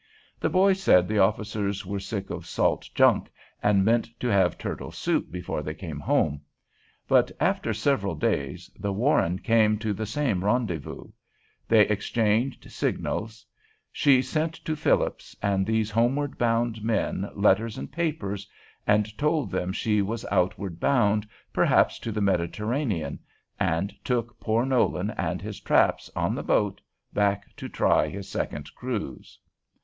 The boys said the officers were sick of salt junk, and meant to have turtle soup before they came home. But after several days the "Warren" came to the same rendezvous; they exchanged signals; she sent to Phillips and these homeward bound men letters and papers, and told them she was outward bound, perhaps to the Mediterranean, and took poor Nolan and his traps on the boat back to try his second cruise.